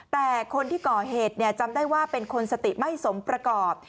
แต่คนที่ก่อเหตุจำได้ว่าเป็นคนสติไม่สมประกอบ